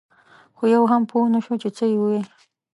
خو یو هم پوی نه شو چې څه یې ووې.